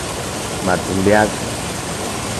Matonbiakan